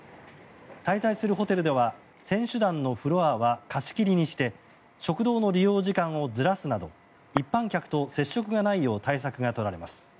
滞在するホテルでは選手団のフロアは貸し切りにして食堂の利用時間をずらすなど一般客と接触がないよう対策が取られます。